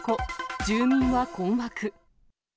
住民は困惑。